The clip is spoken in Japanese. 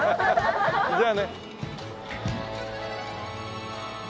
じゃあね。